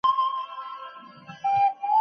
مور او پلار تر ټولو مهربانه خلګ دي.